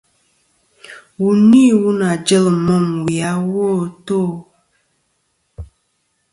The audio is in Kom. Wu ni wu nà jel môm wì awo a tô.